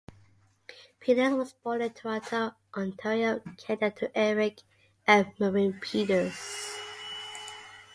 Peters was born in Toronto, Ontario, Canada to Eric and Maureen Peters.